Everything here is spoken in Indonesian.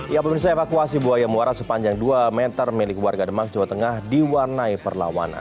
ya pemirsa evakuasi buaya muara sepanjang dua meter milik warga demak jawa tengah diwarnai perlawanan